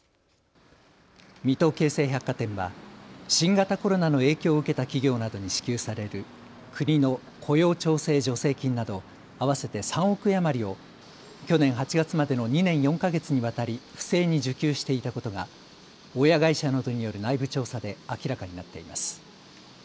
水戸京成百貨店は新型コロナの影響を受けた企業などに支給される国の雇用調整助成金など合わせて３億円余りを去年８月までの２年４か月にわたり不正に受給していたことが親会社などによる内部調査で明らかになっています。